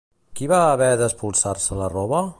Qui va haver d'espolsar-se la roba?